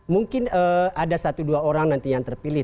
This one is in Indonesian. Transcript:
mungkin ada satu dua orang nanti yang terpilih